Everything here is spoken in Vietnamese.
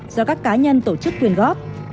do các cá nhân tổ chức quyên góp